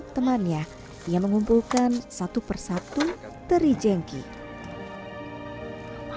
temannya ia mengumpulkan satu persatu terijengkel